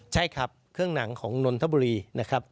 ใช่ครับเครื่องหนังของนนทบุรีนะครับ